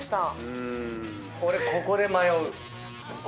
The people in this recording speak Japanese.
俺ここで迷う。